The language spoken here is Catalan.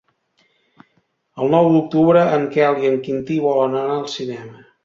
El nou d'octubre en Quel i en Quintí volen anar al cinema.